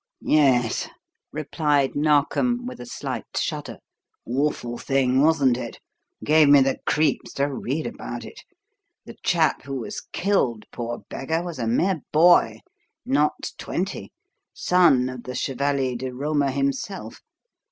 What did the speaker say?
"Yes," replied Narkom, with a slight shudder. "Awful thing, wasn't it? Gave me the creeps to read about it. The chap who was killed, poor beggar, was a mere boy, not twenty, son of the Chevalier di Roma himself.